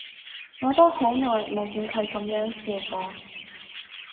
我都好耐冇見佢噉樣笑過